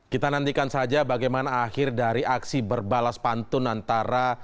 kita nantikan saja bagaimana akhir dari aksi berbalas pantun antara